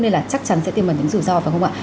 nên là chắc chắn sẽ tiêm bẩn những sủi do phải không ạ